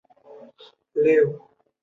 汉代今州境属牦牛羌地。